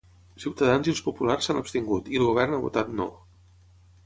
Ciutadans i els populars s'han abstingut i el govern ha votat 'no'.